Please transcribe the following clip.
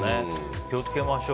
気を付けましょう。